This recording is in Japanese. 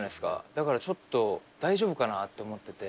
だからちょっと大丈夫かなって思ってて。